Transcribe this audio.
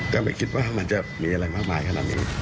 ก็ไม่คิดว่ามันจะมีอะไรมากมายขนาดนี้